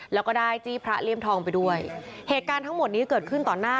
แล้วก็ได้จี้พระเลี่ยมทองไปด้วยเหตุการณ์ทั้งหมดนี้เกิดขึ้นต่อหน้า